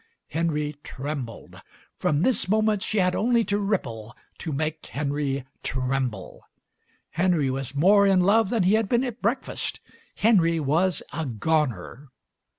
Henry trembled. From this moment she had only to ripple to make Henry tremble. Henry was more in love than he had been at breakfast. Henry was a Goner.